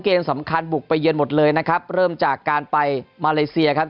เกมสำคัญบุกไปเยือนหมดเลยนะครับเริ่มจากการไปมาเลเซียครับ